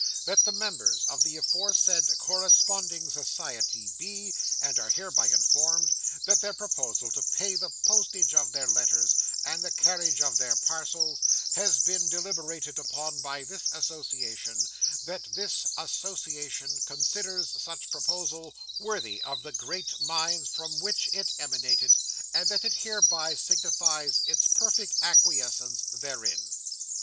'That the members of the aforesaid Corresponding Society be, and are hereby informed, that their proposal to pay the postage of their letters, and the carriage of their parcels, has been deliberated upon by this Association: that this Association considers such proposal worthy of the great minds from which it emanated, and that it hereby signifies its perfect acquiescence therein.